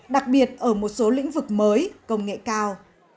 đặc biệt ở một số lĩnh vực mới công nghệ cao